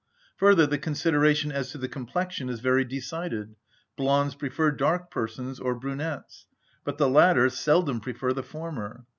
Further, the consideration as to the complexion is very decided. Blondes prefer dark persons, or brunettes; but the latter seldom prefer the former.